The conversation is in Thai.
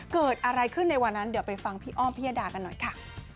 เกิดอะไรขึ้นในวันนั้นเดี๋ยวไปฟังพี่อ้อมพิยดากันหน่อยค่ะ